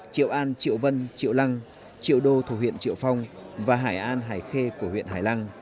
triệu an triệu vân triệu lăng triệu đô thuộc huyện triệu phong và hải an hải khê của huyện hải lăng